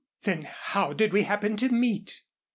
Then, how did we happen to meet?"